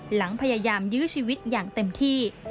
หลังพยายามยื้อชีวิตอย่างเต็มที่